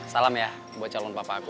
salam ya buat calon bapak aku